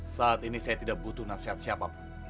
saat ini saya tidak butuh nasihat siapapun